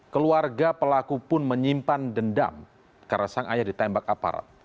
keluarga pelaku pun menyimpan dendam karena sang ayah ditembak aparat